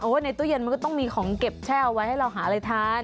ในตู้เย็นมันก็ต้องมีของเก็บแช่เอาไว้ให้เราหาอะไรทาน